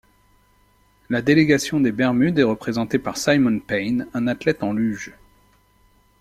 La délégation des Bermudes est représentée par Simon Payne, un athlètes en Luge.